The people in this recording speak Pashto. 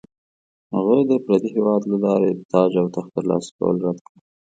هغه د پردي هیواد له لارې د تاج او تخت ترلاسه کول رد کړل.